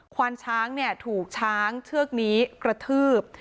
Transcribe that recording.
ควานช้างถูกช้างเชือกนี้กระทืบ